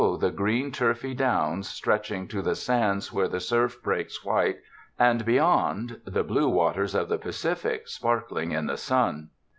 the green turfy downs, stretching to the sands where the surf breaks white, and, beyond, the blue waters of the Pacific, sparkling in the sun.